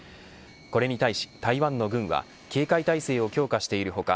これに対し、台湾の軍は警戒態勢を強化している他